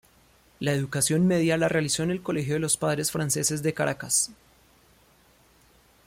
La educación media la realizó en el colegio de los padres franceses de Caracas.